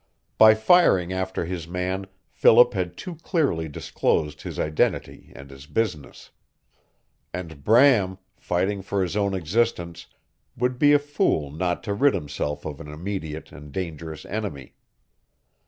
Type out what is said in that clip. By firing after his man Philip had too clearly disclosed his identity and his business; and Bram, fighting for his own existence, would be a fool not to rid himself of an immediate and dangerous enemy.